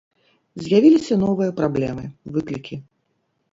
З'явіліся новыя праблемы, выклікі.